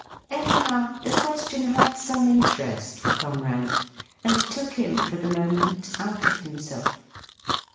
Anyhow, the question had some interest for Conrad, and took him for the moment out of himself.